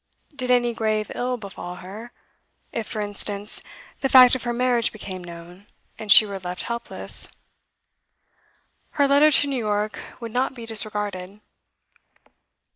Did any grave ill befall her; if, for instance, the fact of her marriage became known, and she were left helpless; her letter to New York would not be disregarded.